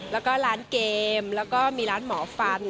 แล้วก็ร้านเกมแล้วก็มีร้านหมอฟัน